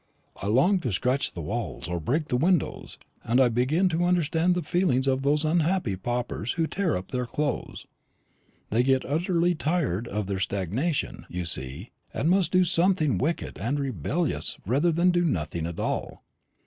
I long to scratch the walls, or break the windows; and I begin to understand the feelings of those unhappy paupers who tear up their clothes: they get utterly tired of their stagnation, you see, and must do something wicked and rebellious rather than do nothing at all.